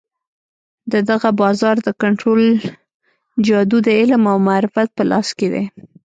د دغه بازار د کنترول جادو د علم او معرفت په لاس کې دی.